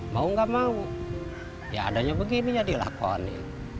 mau gak mau ya adanya begininya dilakoni